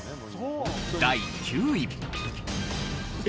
第９位。